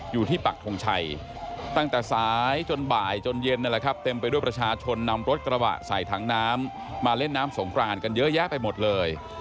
ปักทงชัยตั้งแต่ซ้ายจนบ่ายจนเย็นนั่นแหละครับเต็มไปด้วยประชาชนนำรถกระบะใส่ถังน้ำมาเล่นน้ำสงกรานกันเยอะแยะไปหมดเลย